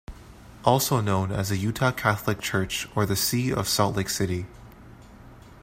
Also known as the Utah Catholic Church or the See of Salt Lake City.